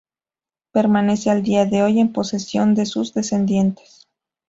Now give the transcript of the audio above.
Permanece al día de hoy en posesión de sus descendientes.